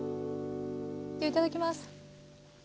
いただきます。